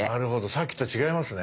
さっきと違いますね。